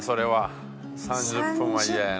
３０分は嫌やな。